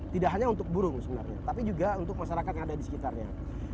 tidak hanya untuk burung sebenarnya tapi juga untuk masyarakat yang ada di sekitarnya